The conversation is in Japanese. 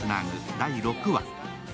第６話。